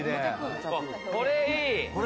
これいい。